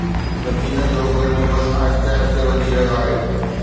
زمين جو گرمي پد آهستي آهستي وڌي رهيو آهي